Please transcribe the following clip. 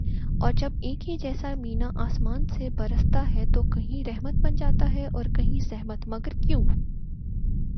اور جب ایک ہی جیسا مینہ آسماں سے برستا ہے تو کہیں رحمت بن جاتا ہے اور کہیں زحمت مگر کیوں